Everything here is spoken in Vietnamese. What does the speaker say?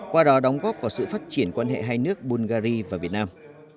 qua đó đóng góp vào sự phát triển quan hệ hai nước bungary và việt nam